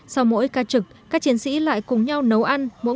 sau mỗi ca trực các chiến sĩ lại cùng nhau nấu ăn